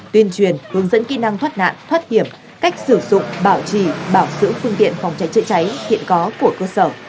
tuyên truyền hướng dẫn kỹ năng thoát nạn thoát hiểm cách sử dụng bảo trì bảo dưỡng phương tiện phòng cháy chữa cháy hiện có của cơ sở